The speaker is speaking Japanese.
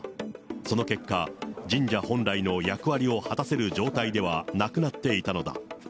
その結果、神社本来の役割を果たせる状態ではなくなっていたのだ。